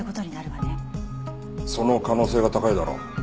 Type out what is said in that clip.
その可能性が高いだろ。